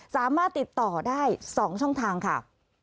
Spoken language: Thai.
สามารถติดต่อได้๒ช่องทางค่ะ